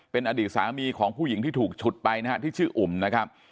เป็นอดีตสามีของผู้หญิงที่ถูกฉุดไปนะฮะที่ชื่ออุ่มนะครับ